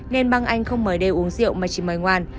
nên băng anh không mời đê uống rượu mà chỉ mời ngoan